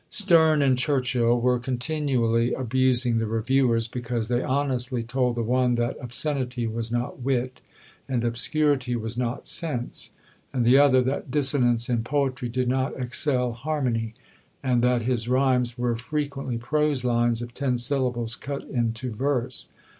Sterne and Churchill were continually abusing the Reviewers, because they honestly told the one that obscenity was not wit, and obscurity was not sense; and the other that dissonance in poetry did not excel harmony, and that his rhymes were frequently prose lines of ten syllables cut into verse.